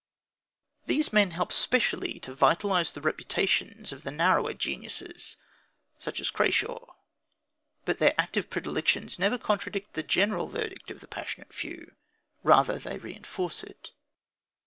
These men help specially to vitalise the reputations of the narrower geniuses: such as Crashaw. But their active predilections never contradict the general verdict of the passionate few; rather they reinforce it.